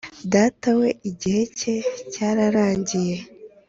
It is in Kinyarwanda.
data we igihe ke cyararangiye